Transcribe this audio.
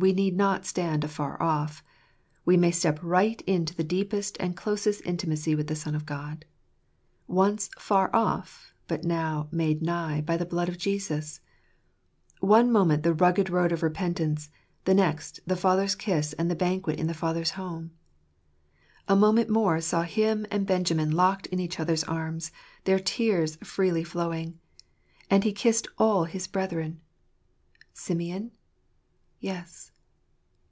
We need not stand afar off. We may step right into the ! deepest and closest intimacy with the Son of God. Once "far off," but now "made nigh" by the blood of Jesus. One moment the rugged road of repentance ; the next the Father's kiss and the banquet in the Father's home. A moment more saw him and Benjamin locked in each other's arms, their tears freely flowing. And he kissed all his brethren. Simeon? Yes.